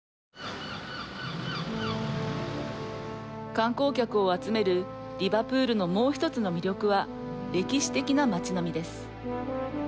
観光客を集めるリバプールのもう１つの魅力は歴史的な町並みです。